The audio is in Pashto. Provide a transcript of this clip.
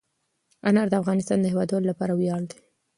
انار د افغانستان د هیوادوالو لپاره ویاړ دی.